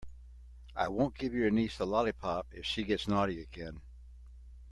I won't give your niece a lollipop if she gets naughty again.